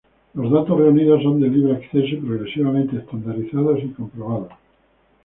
Los datos reunidos son de libre acceso y progresivamente estandarizados y comprobados.